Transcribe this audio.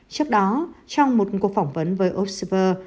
trước đó trong một cuộc phỏng vấn với observer